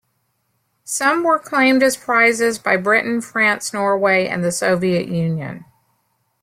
Some were claimed as prizes by Britain, France, Norway and the Soviet Union.